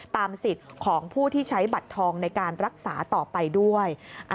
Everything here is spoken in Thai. สิทธิ์ของผู้ที่ใช้บัตรทองในการรักษาต่อไปด้วย